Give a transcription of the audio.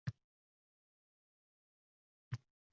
“Mayli, bu yog’i oson ekan-ku”, deb rozi bo’ldim.